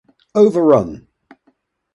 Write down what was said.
Overrun!